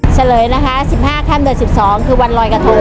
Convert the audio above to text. เฉลยนะคะ๑๕ขั้น๑๒คือวันรอยกระทงค่ะ